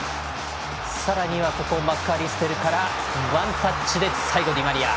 さらにはマックアリステルからワンタッチで最後にディマリア。